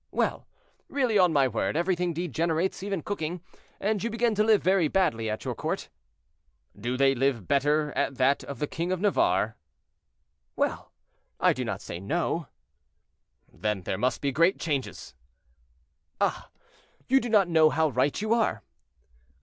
"Well! really, on my word, everything degenerates, even cooking, and you begin to live very badly at your court." "Do they live better at that of the king of Navarre?" "Well!—I do not say no." "Then there must be great changes." "Ah! you do not know how right you are."